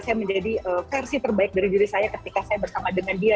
saya menjadi versi terbaik dari diri saya ketika saya bersama dengan dia